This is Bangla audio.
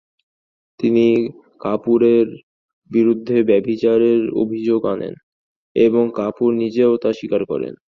তিনি কাপুরের বিরুদ্ধে ব্যভিচারের অভিযোগ আনেন এবং কাপুর নিজেও তা স্বীকার করেন।